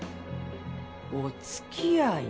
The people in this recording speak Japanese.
おつきあい？